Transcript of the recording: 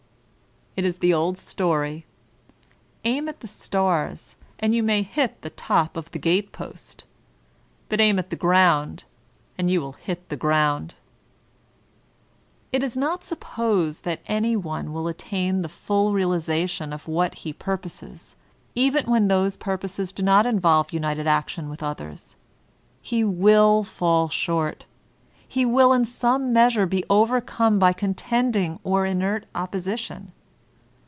It is the old story: "Aim at the stars, and you may hit the top of the gatepost; but aim at the ground, and you will hit the ground/' It is not to be supposed that any one win attain to the fun realization of what he purposes, even when those purposes do not involve united action with others ; he tvill fall short ; he will in some measure be overcome by con tending or inert opposition.